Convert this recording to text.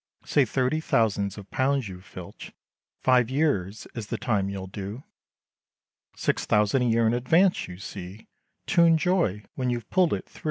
Say thirty thousands of pounds, you filch, Five years, is the time you'll do, Six thousand a year, in advance, you see, To enjoy, when you've pulled it thro'.